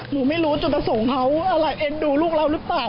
หนูไม่รู้จนจะส่งเขาอะไรเอ็นดูลูกเรารึเปล่า